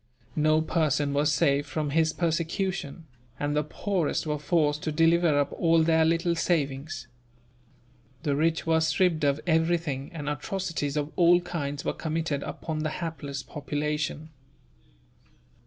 No person was safe from his persecution, and the poorest were forced to deliver up all their little savings. The rich were stripped of everything, and atrocities of all kinds were committed upon the hapless population.